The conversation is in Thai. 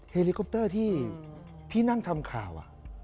เฮลิคอปเตอร์ที่พี่นั่งทำข่าว